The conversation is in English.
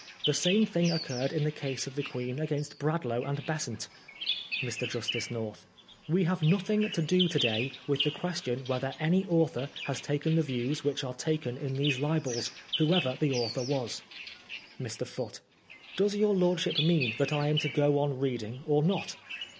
The same thing occurred in the case of the Queen against Bradlaugh and Besant Mr. Justice North : We have nothing to do to day with the question whether any author has taken the views which are taken in these libels, whoever the author was. AT THE OLD BAILET. 73^ Mr. Foote : Does your lordship mean that I am to go on read ing or not